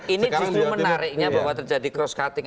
ini justru menariknya bahwa terjadi cross cutting